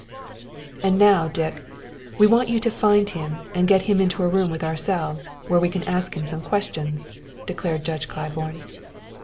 "And now, Dick, we want you to find him and get him into a room with ourselves, where we can ask him some questions," declared Judge Claiborne.